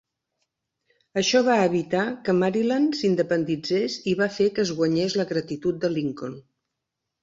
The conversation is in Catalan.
Això va evitar que Maryland s'independitzés i va fer que es guanyés la gratitud de Lincoln.